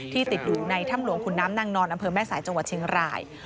ติดอยู่ในถ้ำหลวงขุนน้ำนางนอนอำเภอแม่สายจังหวัดเชียงราย